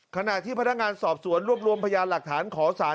ขณะที่พนักงานสอบสวนรวบรวมพยานหลักฐานขอสาร